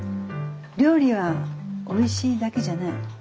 料理はおいしいだけじゃない。